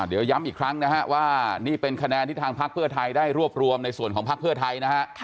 เดี๋ยวย้ำอีกครั้งนะฮะว่านี่เป็นคะแนนที่ทางพักเพื่อไทยได้รวบรวมในส่วนของพักเพื่อไทยนะฮะ